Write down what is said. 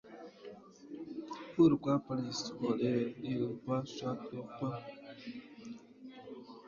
pourquoi Paris aurait-il empêché l’enquÃªte